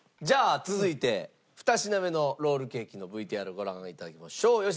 じゃあ続いて２品目のロールケーキのＶＴＲをご覧いただきましょう。